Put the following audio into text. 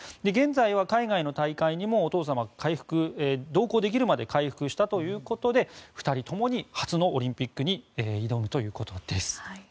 現在は海外の大会にお父さんは同行できるまで回復したということで２人ともに初のオリンピックに挑むということです。